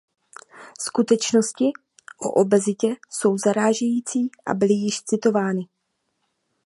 Skutečnosti o obezitě jsou zarážející a byly již citovány.